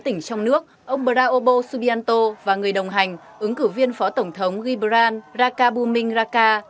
tám tỉnh trong nước ông prabowo subianto và người đồng hành ứng cử viên phó tổng thống gibran raka bumin raka